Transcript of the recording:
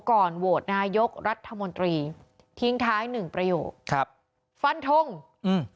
ก่อนโหวตนายกรัฐมนตรีทิ้งท้ายหนึ่งประโยคครับฟันทงอืม